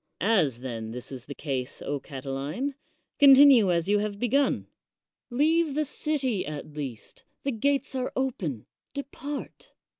As, then, this is the case, Catiline, continue as you have begun. Leave the city at least ; the gates are open ; depart.